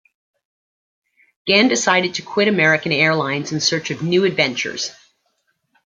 Gann decided to quit American Airlines in search of new adventures.